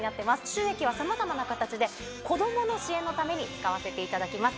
収益はさまざまな形で子供の支援のために使わせていただきます。